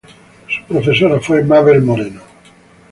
Su profesora fue Mabel Moreno.